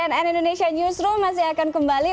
dan cnn indonesia newsroom masih akan kembali